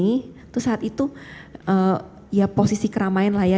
terus saat itu ya posisi keramaian lah ya